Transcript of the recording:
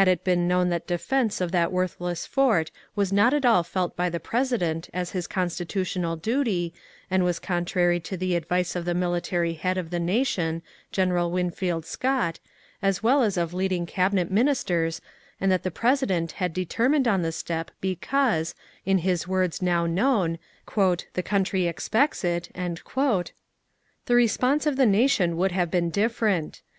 Had it been known that defence of that worthless fort was not at all felt by the President as his constitutional duty, and was contrary to the advice of the military head of the nation, Greneral Winfield Scott, as well as of leading cabinet ministers, and that the President had determined on the step because, in his words now known, " the country expects it," the response of the nation would have been different.